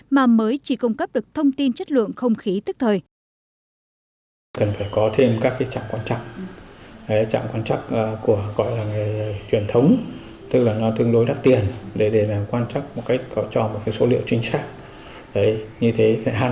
mà mới chỉ cung cấp được thông tin chất lượng không khí tức thời